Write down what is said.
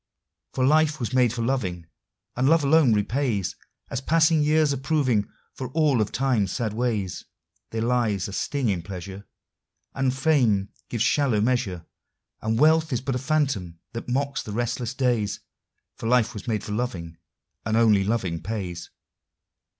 For life was made for loving, and love alone repays, As passing years are proving, for all of Time's sad ways. There lies a sting in pleasure, And fame gives shallow measure, And wealth is but a phantom that mocks the restless days, For life was made for loving, and only loving pays.